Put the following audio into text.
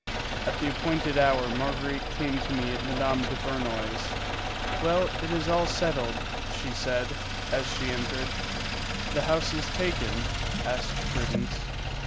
At the appointed hour Marguerite came to me at Mme. Duvernoy's. "Well, it is all settled," she said, as she entered. "The house is taken?" asked Prudence.